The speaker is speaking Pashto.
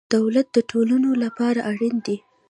دولت د ټولنو لپاره اړین دی.